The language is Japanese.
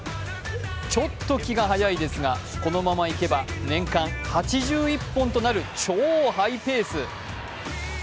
ちょっと気が早いですが、このままいけば年間８１本となる超ハイペース。